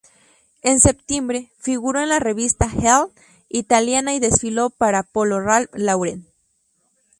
En septiembre, figuró en la revista "Elle" italiana y desfiló para Polo Ralph Lauren.